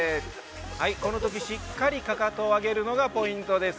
このときしっかりかかとを上げるのがポイントです。